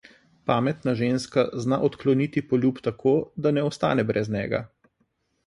Pametna ženska zna odkloniti poljub tako, da ne ostane brez njega.